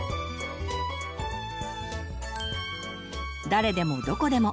「誰でもどこでも」